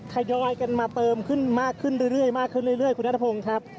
ขยอยกันมาเติมขึ้นมากขึ้นเรื่อยคุณธรรมค์ครับ